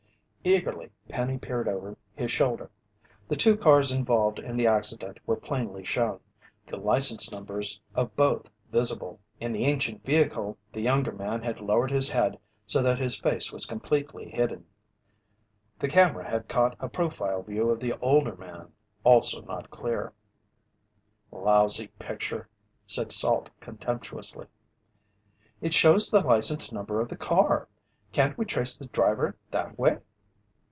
Eagerly Penny peered over his shoulder. The two cars involved in the accident were plainly shown, the license numbers of both visible. In the ancient vehicle, the younger man had lowered his head so that his face was completely hidden. The camera had caught a profile view of the older man, also not clear. "Lousy picture," said Salt contemptuously. "It shows the license number of the car. Can't we trace the driver that way?"